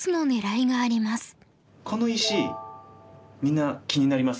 この石みんな気になりますよね？